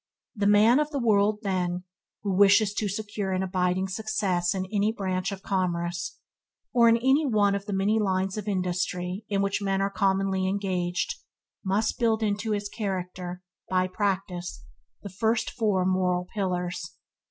The man of the world, then, who wishes to secure an abiding success in any branch of commerce, or in one of the many lines of industry in which men are commonly engaged, must build into his character, by practice, the first four moral Pillars.